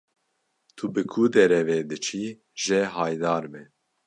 Tu bi ku derê ve diçî jê haydar be.